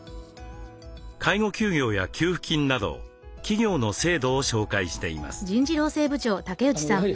介護休業や給付金など企業の制度を紹介しています。